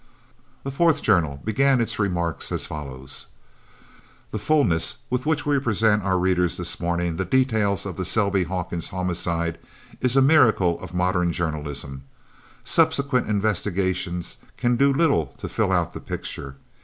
A fourth journal began its remarks as follows: The fullness with which we present our readers this morning the details of the Selby Hawkins homicide is a miracle of modern journalism. Subsequent investigation can do little to fill out the picture.